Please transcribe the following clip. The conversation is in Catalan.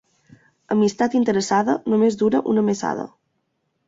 Amistat interessada només dura una mesada.